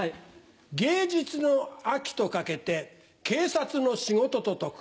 「芸術の秋」と掛けて警察の仕事と解く。